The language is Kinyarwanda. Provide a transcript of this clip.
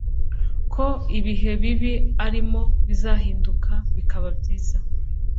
ko ibihe bibi arimo bizahinduka bikaba byiza